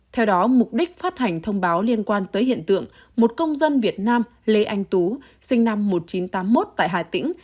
theo đó mục đích phát hành thông báo liên quan tới hiện tượng một công dân việt nam lê anh tú sinh năm một nghìn chín trăm tám mươi một tại hà tĩnh